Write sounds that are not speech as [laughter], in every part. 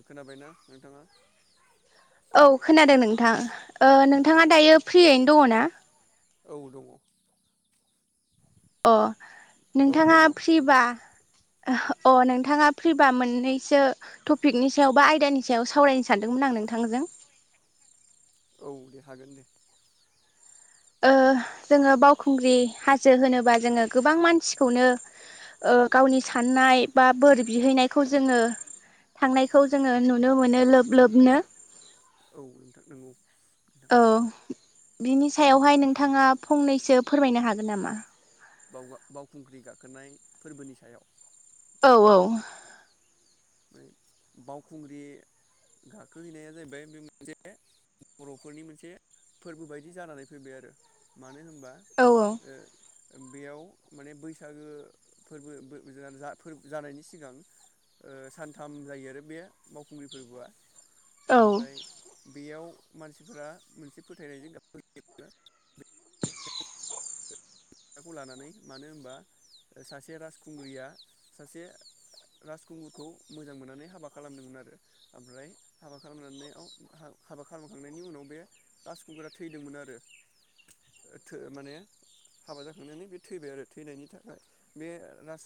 [inaudible] खोनाबायना नोंथाङा? [inaudible] था ओ औ नोंथाङा दायो फ्रियैनो दङ' ना? औ दङ'। अ। औ नोंथाङा दङ फ्रिबा नोंथां ओह अ नोंथाङा फ्रिबा मोननैसो टपिकनि सायाव बा आयदानि सायाव सावरायनो सानदोंमोन आं नोंथांजों। औ दे हागोन दे। ओ जोङो बावखुंग्रि हाजो होनोबा जोङो गोबां मानसिखौनो ओ गावनि साननाय बा बोर बिहैनायखौ जोङो थांनायखौ जोङो नुनो मोनो लोब लोबनो। औ नोंथां नंगौ। नोंथां औ। बिनि होमबा सायावहाय नोंथाङा फंनैसो फोरमायनो हागोन नामा? बावा बावखुंग्रि गाखोनाय फोरबोनि सायाव? औ ओमफ्राय औ। बावखुंग्रि गाखोहैनाया जाहैबाय बे मोनसे बर'फोरनि मोनसे फोरबो बायदि जानानै फैबाय आरो मानो हो ओ‌ औ बेयाव माने बैसागो फोरबो फोर जानायनि सिगां ओ सानथाम जायो आरो बे बावखुंग्रि फोरबोआ। औ ओमफ्राय औ‌ बेयाव मानसिफोरा मोनसे फोथायनायजों गाब नाखौ लानानै मानो होनबा सासे राजखुंग्रिया सासे राजखुंगुरखौ मोजां मोननानै हाबा खालामदोंमोन आरो ओमफ्राय हाबा खालामनानैव हाबा खालामखांनायनि उनाव बे राजखुंगुरा थैदोंमोन आरो थो माने हाबा जाखांनानै बे थैबाय आरो थैनायनि थाखाय बे राज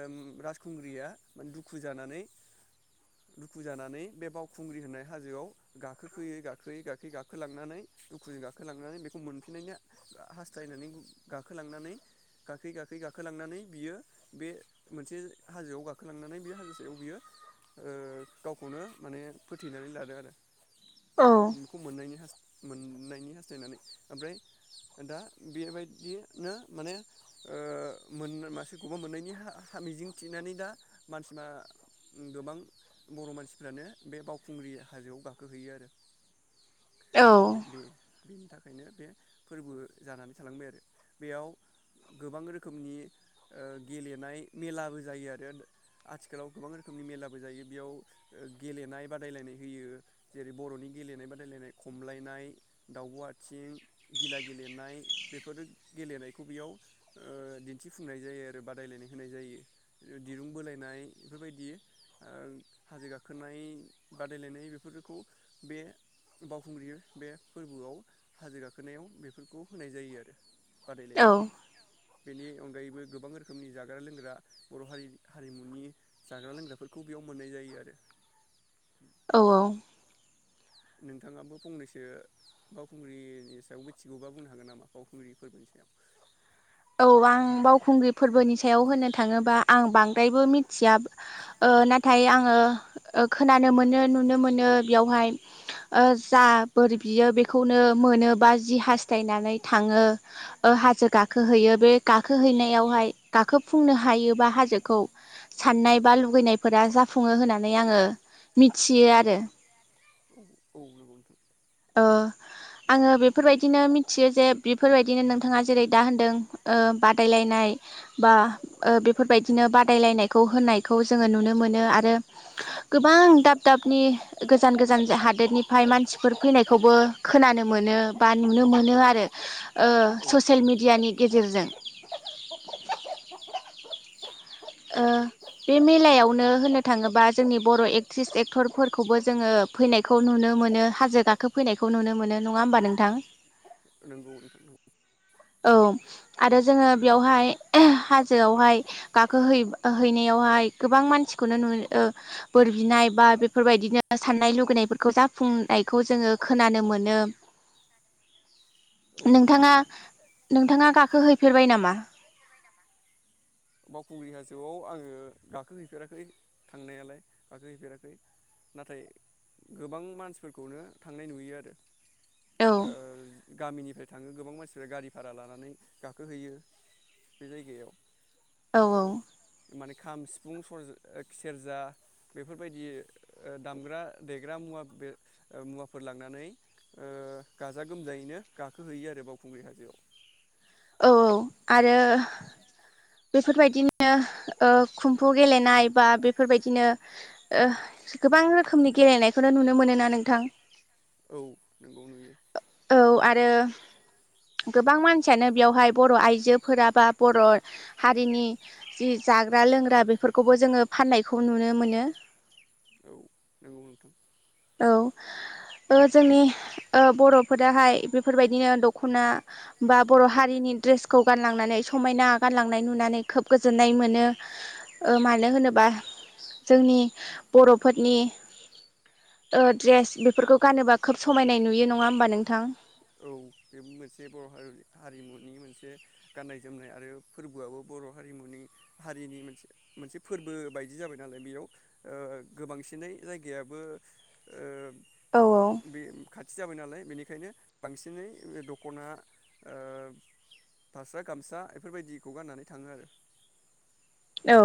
ओम राजखुंग्रिया दुखु जानानै दुखु जानानै बे बावखुंग्रि होननाय हाजोआव गाखोखोयै गाखोयै गाखोयै गाखोलांनानै दुखुजों गाखोलांनानै बेखौ मोनफिननायनि हास्थायनानै गाखोलांनानै गाखै गाखै गाखोलांनानै बियो बे मोनसे हाजोआव गाखोलांनानै बे हाजो सायाव बियो ओ गावखौनो माने फोथैनानै लादों आरो। औ खौ मोननायनि हा मोननायनि हास्थायनानै ओमफ्राय दा बेबाय बिनो माने ओ मोन मासोरखौबा मोननायनि हा हा मिजिं थिनानै दा मानसिफ्रा गोबां बर' मानसिफ्रानो बे बावखुंग्रि हाजोआव गाखोहैयो आरो। औ बे बेनि थाखायनो बे फोरबो जानानै थालांबाय आरो। बेयाव गोबां रोखोमनि ओ गेलेनाय मेलाबो जायो आरो आथिखालाव गोबां रोखोमनि मेलाबो जायो बेयाव गेलेनाय बादायलायनाय होयो जेरै बर'नि गेलेनाय बादायलायनाय खमलायनाय दावब' आथिं गिला गेलेनाय बेफोरो गेलेनायखौ बेयाव ओ दिन्थिफुंनाय जायो आरो बादायलायनाय होनाय जायो दिरुं बोलायनाय बेफोरबायदि ओ हाजो गाखोनाय बादायलायनाय बेफोरखौ बे बावखुंग्रि बे फोरबोआव हाजो गाखोनायाव बेफोरखौ होनाय जायो आरो। औ बादायलायनाय बेनि अनगायैबो गोबां रोखोमनि जाग्रा लोंग्रा बर' हारि हारिमुनि जाग्रा लोंग्राफोरखौ बेयाव मोननाय जायो आरो। औ औ। नोंथाङाबो फंनैसो बावखुंग्रिनि सायाव मिथिगौबा बुंनो हागोन नामा बावखुंग्रि फोरबोनि सायाव। औ आं बावखुंग्रि फोरबोनि सायाव होननो थाङोबा आं बांद्रायबो मिथिया ओ नाथाय आङो खोनानो मोनो नुनो मोनो बेयावहाय जा बोर बियो बेखौनो मोनो बा जि हास्थायनानै थाङो हाजो गाख खोहैयो बे गाखोहैनायावहाय गाखोफुंनो हायोबा हाजोखौ साननाय बा लुगैनायफोरा जाफुङो होननानै आङो मिथियो आरो। औ औ ओ आङो बेफोरबायदिनो मिथियो जे बेफोरबायदिनो नोंथाङा जेरै दा होनदों ओ बादायलायनाय बा ओ बेफोरबायदिनो बादायलायनायखौ होनायखौ जोङो नुनो मोनो आरो गोबां दाब दाबनि गोजान गोजान हादोरनिफ्राय मानसिफोर नायखौबो खोनानो मोनो बा नुनो मोनो आरो औ ससियेल नंगौ मेडियानि नोंथां गेजेरजों। [inaudible] ओ बे मेलायावनो होननो थाङोबा जोंनि बर' एक्ट्रिस एक्टरफोरखौबो जोङो फैनायखौ नुनो मोनो हाजो गाखोफैनायखौ नुनो मोनो नङा होमबा नोंथां। नोंगौ नोथां नंगौ। औ आरो जोङो बेयावहाय हाजोआवहाय गाख हैनायावहाय गोबां मानसिखौनो बोर बिनाय बा बेफोरबायदिनो सान्नाय लुुबैनायफोरखौ जाफुंनायखौ जोङो खोनानो मोनो। औ नंगौ नोंथाङा नोंथां नोंथाङा गाखो हैफेरबाय नामा? [unintelligible] बावखुंग्रि हाजोआव आङो गाखोहैफेराखै थांनायालाय गाखो हैैफेराखै नाथाय गोबां मानसिफोरखौनो थांनाय नुयो आरो। औ ओ गामिनिफ्राय थाङो। गोबां मानसिफ्रा गारि भारा लानानै गाखोहैयो। बे जायगायाव। औ ओ औ। माने खाम, सिफुं, सरज-सेरजा बेफोरबायदि ओ दामग्रा देग्रा मुवा बे मुवाफोर लांनानै ओ गाजा गोमजायैनो गाखोहैयो आरो बावखुंग्रि हाजोआव। औ औ आरो बेफोरबायदिनो ओ खम्फु गेलेनाय बा बेफोरबायदिनो ओ गोबां रोखोमनि गेलेनायखौनो नुनो मोनो ना नोंथां? औ नंगौ नुयो। औ आरो गोबां मानसियानो बेवहाय बर' आइजोफोरा बा बर' हारिनि जि जाग्रा लोंग्रा बेफोरखौबो जोङो फाननायखौ नुनो मोनो। औ नंगौ नोंथां। औ ओ जोंनि ओ बर'फोराहाय बेफोरबायदिनो दख'ना बा बर' हारिनि दड्रेसखौ गानलांनानै समायना गानलांनाय नुनानै खोब गोजोननाय मोनो ओ मानो होनोबा जोंनि बर'फोरनि ओ ड्रेस बेफोरखौ गानोबा खोब समायनाय नुयो नङा होमबा नोंथां? औ बे मोनसे बर' हारि हारिमुनि मोनसे गाननाय जोमनाय आरो फोरबोआबो बर' हारिमुनि हारिनि मोनसे मोनसे फोरबो बायदि जाबाय नालाय बेयाव गोबांसिनै जायगायाबो ओ औ औ बे खाथि जाबाय नालाय बेनि बेखायनो बांसिनै दख'ना ओ फास्रा गामसा बेफोरबायदिखौ गाननानै थाङो आरो। औ।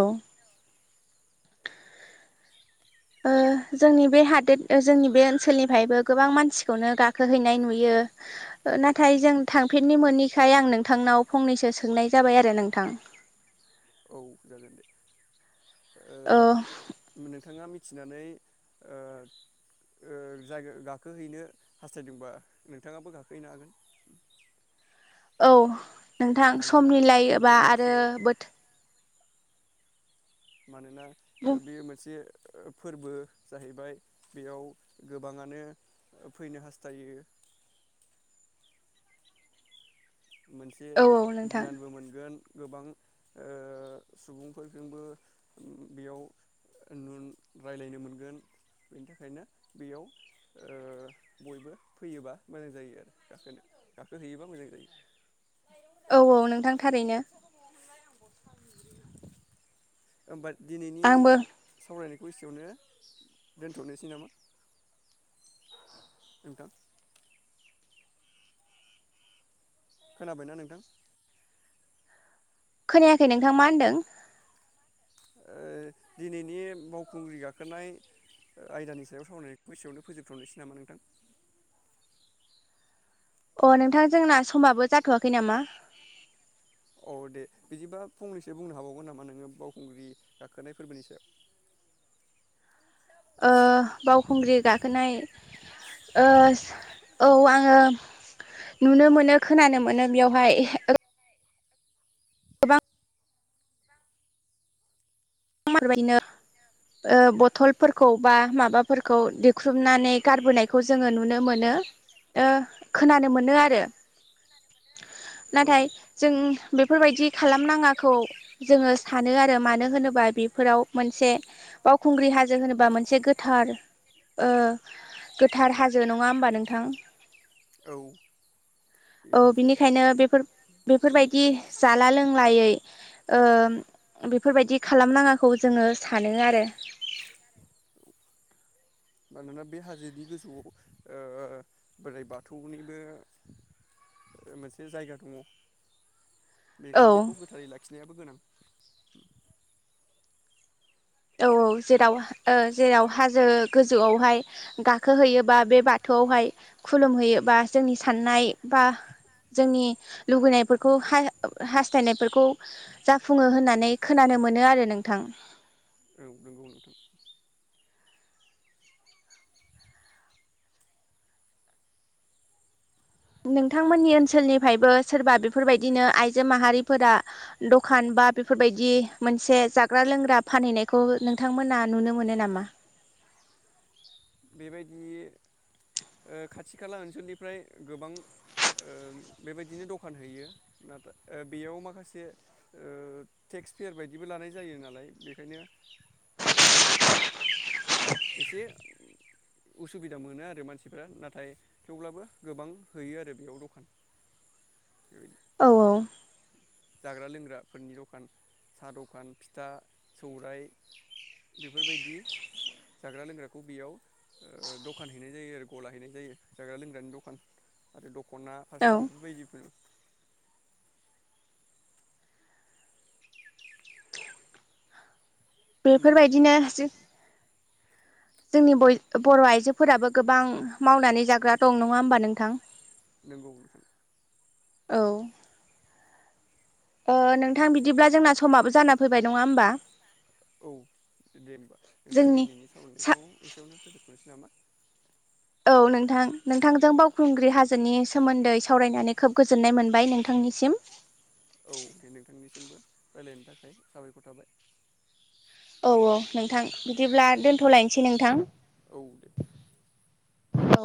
ओ जोंनि बे हादोर जोंनि बे ओनसोलनिफायबो गोबां मानसिखौनो गाखोहैनाय नुयो। नाथाय जों थांफेरनो मोनैखाय आं नोंथांनाव फंनैसो सोंनाय जाबाय आरो नोंथां। औ जागोन दे। ओ थिनानै ओ ओ जायगा गाखोहैनो हास्थायदोंबा नोंथाङाबो गाखोहैनो हागोन। औ। नोंथां सम मानोना मिलायोबा बेयो आरो मोनसे बोथो मानोना बेयो मोनसे ओ फोरबो जाहैबाय बेयाव गोबाङानो फैनो हास्थायो। मोनसे औ औ नोंथां गियानबो मोनगोन। गोबां ओ सुबुंफोरजोंबो बेयाव न रायलायनो मोनगोन। बेनि थाखायनो बेयाव बयबो फैयोबा मोजां जायो आरो गाखोनो गाखोहैयोबा मोजां जायो। औ औ नोंथां थारैनो। [unintelligible] दिनैनि आंबो सावरायनाय खौ एसेयावनो दोनथ'नोसै नामा नोंथां? खोनाबायना नोंथां? खोनायाखै नोंथां मा होनदों? ओ दिनैनि बावखुंग्रि गाखोनाय आयदानि सायाव सावरायनायखौ एसेयावनो फोजोबथ'नोसै नामा नोंथां? अ नोंथां जोंना समाबो जाथ'वाखै नामा? औ दे बिदिबा फंनैसो बुंनो हाबावगोन नामा नोङो बावखुंग्रि गाखोनाय फोरबोनि सायाव? ओ बावखुंग्रि गाखोनाय ओ औ आङो नुनो मोनो खोनानो मोनो बेयावहाय गोबां [unintelligible] ओ बथलफोरखौ बा माबाफोरखौ देख्रुबनानै गारबोनायखौ जोङो नुनो मोनो। ओ खोनानो मोनो आरो। औ नाथाय जों बेफोरबायदि खालामनाङाखौ जोङो सानो आरो मानो होनोबा बेफोराव मोनसे बावखुंग्रि हाजो होनोबा मोनसे गोथार ओ गोथार हाजो नङा होमबा नोंथां औ बे औ मोनसे बिनिखायनो बेफोर बेफोरबायदि जाला लोंलायै ओ बेफोरबायदि खालामनाङाखौ जोंङो सानो आरो मानोना बे हाजोनि गोजौआव ओ बोराइ बाथौनिबो मोनसे जायगा दङ औ बेखायनो बेखौ गोथारै लाखिनायाबो गोनां औ औ जेराव ओ जेराव हाजो गोजौआवहाय गाखोहैयोबा बे बाथौआवहाय खुलुमहैयोबा जोंनि साननाय बा जोंनि लुगैनायफोरखौ हाय हास्थायनायफोरखौ जाफुङो होननानै खोनानो मोनो आरो नोंथां औ नोंगौ नोंथां। नोंथांमोननि ओनसोलनिफायबो सोरबा बेफोरबायदिनो आइजो माहारिफोरा दखान बा बिफोरबायदि मोनसे जाग्रा लोंग्रा फानहैनायखौ नोंथांमोना नुनो मोनो नामा? बेबायदि ओ खाथि खाला ओनसोलनिफ्राय गोबां ओ बेबायदिनो दखान हैयो नाथाय ओ बेयाव माखासे ओ टेक्स फेयार बादिबो लानाय जायो नालाय बेखायनो ओ इसे उसुबिदा मोनो आरो मानसिफ्रा नाथाय थेवब्लाबो गोबां हैयो आरो बेयाव दखान बेबायदि [unintelligible] जाग्रा लोंग्रा फोरनि दखान सा दखान फिथा सौराइ बेफोरबायदि जाग्रा लोंग्राखौ बेयाव दखान हैनाय जायो आरो गला हैनाय जायो जाग्रा लोंग्रानि दखान आरो दख खना औ फास्रा बेफोरबायदिफोर नों बेफोरबायदिनो जो जोंनि बयद बर' आइजोफोराबो गोबां मावनानै जाग्रा दं नङा ओमबा नोंथां? [inaudible] औ ओ नोंथां बिद दिब्ला जोंना समाबो जाना फैबाय नङा ओमबा औ दे होमबा नोंथां जोंनि दिनैनि सा सावरायनायखौ [inaudible] औ नोंथां नोंथांजों बावखुंग्रि हाजोनि सोमोन्दै सावरायनानै खोब गोजोननाय मोनबाय नोंथांनिसिम। औ दे नोंथांनिसिमबो रायलायनि थाखाय साबायखर थाबाय औ औ नोंथां बिदिब्ला दोनथ'लायसै नोंथां औ औ